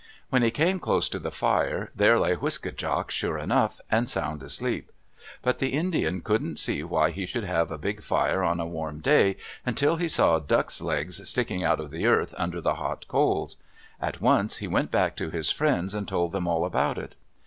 When he came close to the fire, there lay Wiske djak, sure enough, and sound asleep. But the Indian couldn't see why he should have a big fire on a warm day until he saw ducks' legs sticking out of the earth under the hot coals. At once he went back to his friends and told them all about it.